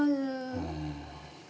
うん。